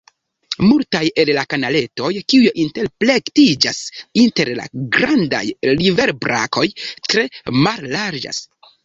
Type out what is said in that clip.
Multaj el la kanaletoj, kiuj interplektiĝas inter la grandaj riverbrakoj, tre mallarĝas.